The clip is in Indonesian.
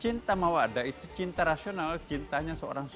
cinta mawadah itu cinta rasional cintanya seorang suami